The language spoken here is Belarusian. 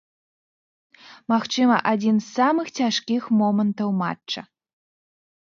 Магчыма, адзін з самых цяжкіх момантаў матча.